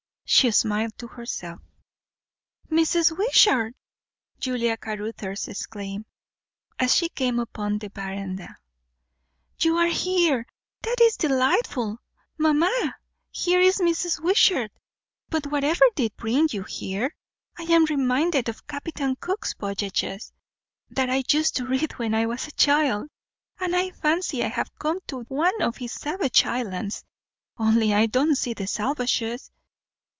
She smiled to herself. "Mrs. Wishart!" Julia Caruthers exclaimed, as she came upon the verandah. "You are here. That is delightful! Mamma, here is Mrs. Wishart. But whatever did bring you here? I am reminded of Captain Cook's voyages, that I used to read when I was a child, and I fancy I have come to one of his savage islands; only I don't see the salvages.